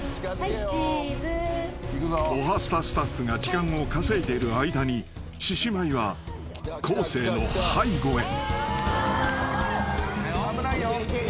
［『おはスタ』スタッフが時間を稼いでいる間に獅子舞は昴生の背後へ］